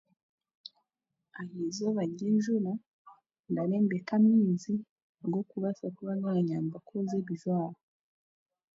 Aha eizooba ry'enjura, ndayembeka amaizi agari kuba garanyamba kwoza ebijwaro